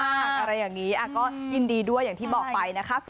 อะไรอย่างนี้ก็ยินดีด้วยอย่างที่บอกไปนะคะ